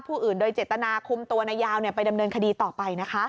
อื่นโดยเจตนาคุมตัวนายยาวไปดำเนินคดีต่อไปนะคะ